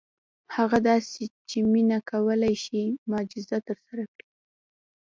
هغه داسې چې مينه کولی شي معجزه ترسره کړي.